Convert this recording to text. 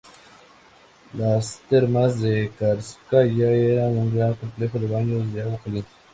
Las Termas de Caracalla eran un gran complejo de baños de agua caliente.